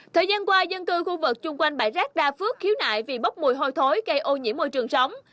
thời gian qua dân cư khu vực chung quanh bãi rác đa phước khiếu nại vì bốc mùi hôi thối gây ô nhiễm môi trường sống